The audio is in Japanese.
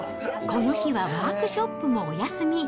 この日はワークショップもお休み。